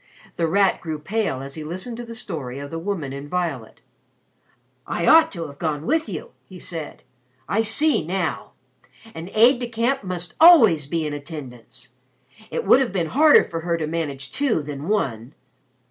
The Rat grew pale as he listened to the story of the woman in violet. "I ought to have gone with you!" he said. "I see now. An aide de camp must always be in attendance. It would have been harder for her to manage two than one.